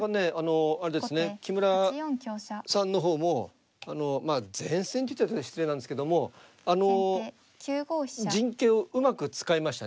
あれですね木村さんの方もまあ善戦って言ったら失礼なんですけどもあの陣形をうまく使いましたね。